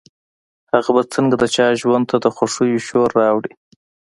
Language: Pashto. هغه به څنګه د چا ژوند ته د خوښيو شور راوړي.